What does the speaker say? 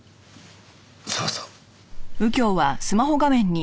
そうそう。